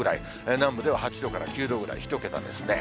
南部では８度から９度ぐらい、１桁ですね。